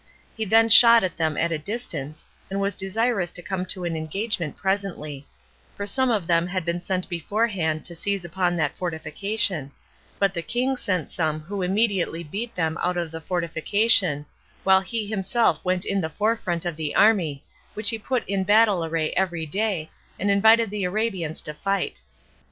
He then shot at them at a distance, and was desirous to come to an engagement presently; for some of them had been sent beforehand to seize upon that fortification: but the king sent some who immediately beat them out of the fortification, while he himself went in the forefront of the army, which he put in battle array every day, and invited the Arabians to fight.